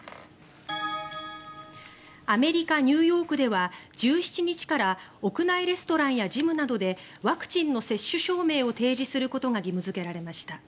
アメリカ・ニューヨークでは１７日から屋内レストランやジムなどでワクチンの接種証明を提示することが義務付けられました。